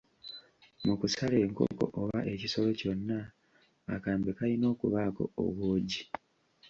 Mu kusala enkoko oba ekisolo kyonna akambe kayina okubaako obwogi.